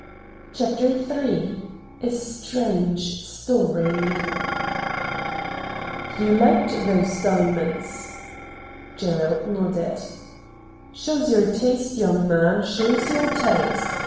55 CHAPTEE m A STRA^'GE STOEY ' You liked those diamonds ?' Gerald nodded. ' Shows your taste, young man, shows your taste.